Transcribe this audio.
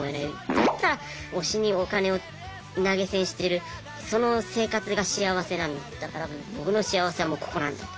だったら推しにお金を投げ銭してるその生活が幸せなんだから僕の幸せはもうここなんだと。